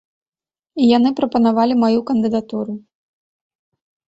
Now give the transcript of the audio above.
І яны прапанавалі маю кандыдатуру.